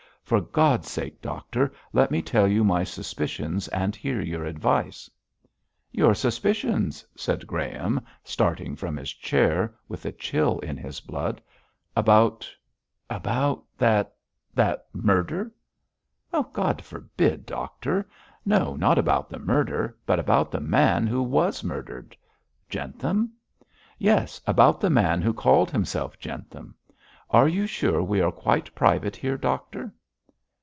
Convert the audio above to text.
For God's sake, doctor, let me tell you my suspicions and hear your advice.' 'Your suspicions!' said Graham, starting from his chair, with a chill in his blood. 'About about that that murder?' 'God forbid, doctor. No! not about the murder, but about the man who was murdered.' 'Jentham?' 'Yes, about the man who called himself Jentham. Are you sure we are quite private here, doctor?'